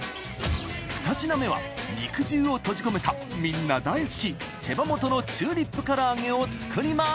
２品目は肉汁を閉じ込めたみんな大好き手羽元のチューリップ唐揚げを作ります！